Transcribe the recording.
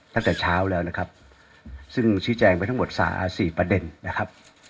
ตั้งแต่เช้าแล้วนะครับซึ่งชี้แจงไปทั้งหมดสาสี่ประเด็นนะครับ